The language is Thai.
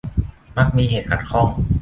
มักมีเหตุขัดข้อง